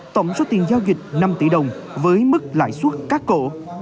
tổng số tiền giao dịch năm tỷ đồng với mức lãi suất cắt cổ